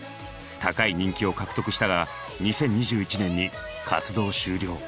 高い人気を獲得したが２０２１年に活動終了。